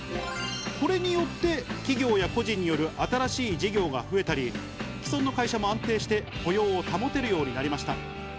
これによって企業や個人による新しい事業が増えたり、既存の会社も安定して雇用を保てるようになりました。